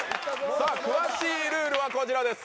さあ詳しいルールはこちらです。